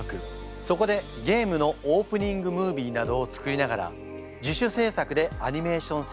そこでゲームのオープニングムービーなどを作りながら自主制作でアニメーション制作を開始。